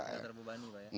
gak terbubani pak ya